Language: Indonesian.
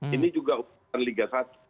ini juga bukan liga satu